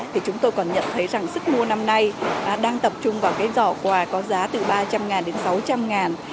thì chúng tôi còn nhận thấy rằng sức mua năm nay đang tập trung vào cái giỏ quà có giá từ ba trăm linh đến sáu trăm linh